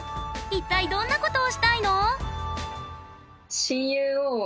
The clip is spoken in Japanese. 一体どんなことをしたいの？